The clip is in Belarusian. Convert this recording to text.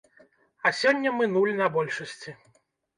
А сёння мы нуль на большасці.